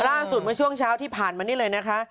เมื่อช่วงเช้าที่ผ่านมานี่เลยนะคะ